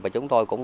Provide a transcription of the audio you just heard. thì chúng tôi cũng